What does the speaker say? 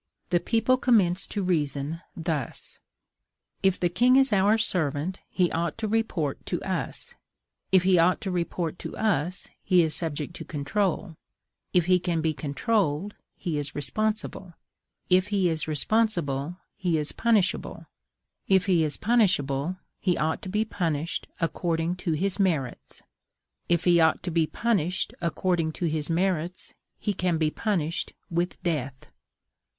The people commenced to reason thus: If the king is our servant, he ought to report to us; If he ought to report to us, he is subject to control; If he can be controlled, he is responsible; If he is responsible, he is punishable; If he is punishable, he ought to be punished according to his merits; If he ought to be punished according to his merits, he can be punished with death.